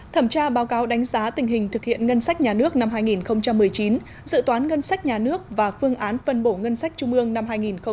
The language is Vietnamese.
thẩm tra báo cáo đánh giá tình hình thực hiện ngân sách nhà nước năm hai nghìn một mươi chín dự toán ngân sách nhà nước và phương án phân bổ ngân sách trung ương năm hai nghìn hai mươi